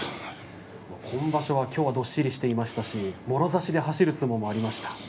今場所はきょうはどっしりしていましたし、もろ差しで走る相撲もありました。